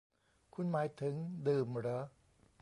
คุณหมายถึง ดื่มเหรอ ?